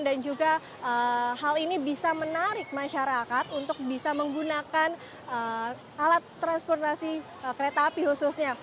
dan juga hal ini bisa menarik masyarakat untuk bisa menggunakan alat transportasi kereta api khususnya